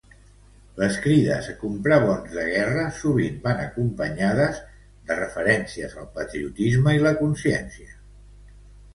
Les crides a comprar bons de guerra sovint van acompanyades de referències al patriotisme i la consciència.